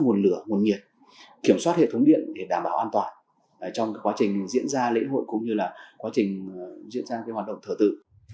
nguồn lửa nguồn nhiệt kiểm soát hệ thống điện để đảm bảo an toàn trong quá trình diễn ra lễ hội cũng như là quá trình diễn ra hoạt động thờ tự